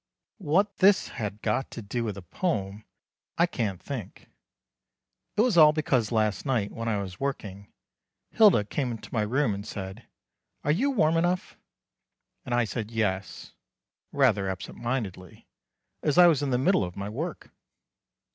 What this had got to do with the poem I can't think. It was all because last night, when I was working, Hilda came into my room and said: "Are you warm enough?" and I said "Yes," rather absent mindedly, as I was in the middle of my work.